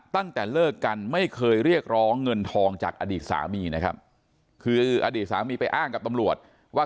ตั้งแต่เลิกกันไม่เคยเรียกร้องเงินทองจากอดีตสามีนะครับคืออดีตสามีไปอ้างกับตำรวจว่า